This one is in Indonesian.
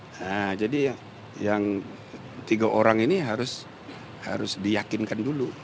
nah jadi yang tiga orang ini harus diyakinkan dulu